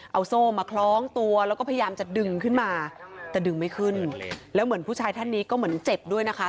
เอาโซ่มาคล้องตัวแล้วก็พยายามจะดึงขึ้นมาแต่ดึงไม่ขึ้นแล้วเหมือนผู้ชายท่านนี้ก็เหมือนเจ็บด้วยนะคะ